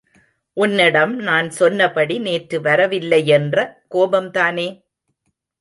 உன்னிடம் நான் சொன்னபடி நேற்று வரவில்லையென்ற கோபம்தானே?